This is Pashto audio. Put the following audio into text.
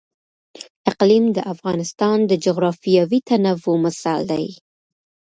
اقلیم د افغانستان د جغرافیوي تنوع مثال دی.